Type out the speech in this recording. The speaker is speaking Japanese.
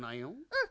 うん。